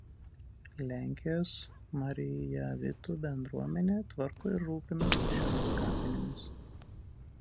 Lenkijos Marijavitų bendruomenė tvarko ir rūpinasi šiomis kapinėmis.